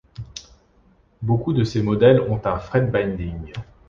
Beaucoup de ces modèles ont un fret binding.